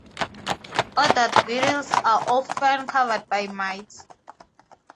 Adult beetles are often covered by mites.